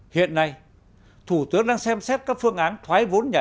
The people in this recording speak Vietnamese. hiện nay thủ tướng đang xem xét các phương án thoái vốn nhà